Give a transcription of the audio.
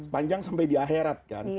panjang sampai di akhirat kan